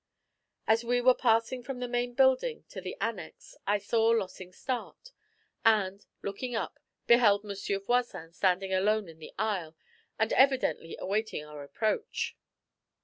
As we were passing from the main building into the annex I saw Lossing start, and, looking up, beheld Monsieur Voisin standing alone in the aisle, and evidently awaiting our approach.